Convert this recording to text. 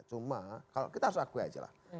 cuma kalau kita harus akui aja lah